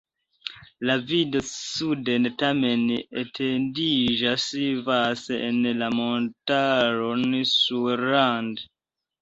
La vido suden tamen etendiĝas vaste en la montaron Sauerland.